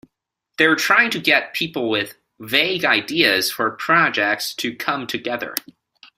They're trying to get people with vague ideas for projects to come together.